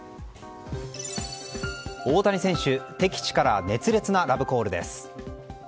大谷選手、敵地から熱烈なラブコールです。